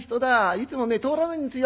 いつも通らないんですよ。